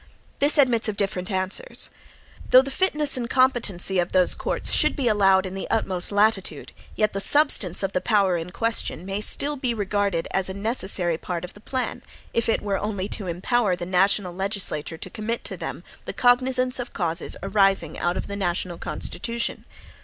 This admits of different answers. Though the fitness and competency of those courts should be allowed in the utmost latitude, yet the substance of the power in question may still be regarded as a necessary part of the plan, if it were only to empower the national legislature to commit to them the cognizance of causes arising out of the national Constitution.